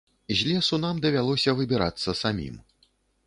З лесу нам давялося выбірацца самім.